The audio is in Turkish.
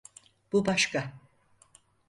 Bu başka!